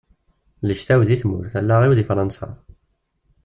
Lǧetta-w di tmurt, allaɣ-iw di Fransa.